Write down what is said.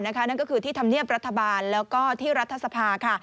นั่นก็คือที่ธรรมเนียบรัฐบาลแล้วก็ที่รัฐสภาค่ะ